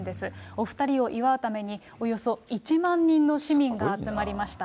お２人を祝うために、およそ１万人の市民が集まりました。